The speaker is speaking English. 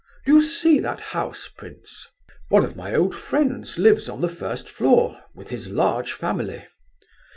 Do you see that house, prince? One of my old friends lives on the first floor, with his large family.